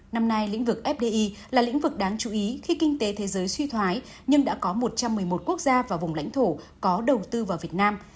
năm nay lĩnh vực fdi là lĩnh vực đáng chú ý khi kinh tế thế giới suy thoái nhưng đã có một trăm một mươi một quốc gia và vùng lãnh thổ có đầu tư vào việt nam